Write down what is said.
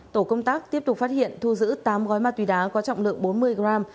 tổ công tác tiếp tục phát hiện thu giữ tám gói ma túy đá có trọng lượng bốn mươi gram